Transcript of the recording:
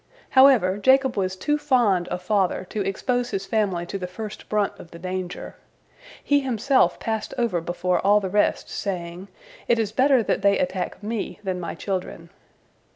However, Jacob was too fond a father to expose his family to the first brunt of the danger. He himself passed over before all the rest, saying, "It is better that they attack me than my children."